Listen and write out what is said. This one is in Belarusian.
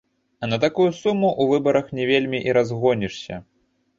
А на такую суму ў выбарах не вельмі і разгонішся.